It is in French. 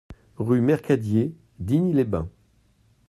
Rue Mercadier, Digne-les-Bains